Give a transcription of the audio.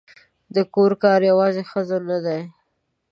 د کور کار یوازې د ښځو نه دی